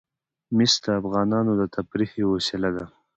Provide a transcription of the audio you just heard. مس د افغانانو د تفریح یوه وسیله ده.